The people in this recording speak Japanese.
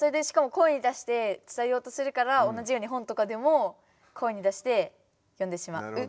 しかも声に出して伝えようとするから同じように本とかでも声に出して読んでしまう。